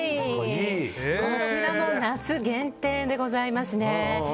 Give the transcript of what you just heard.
こちらも夏限定でございますね。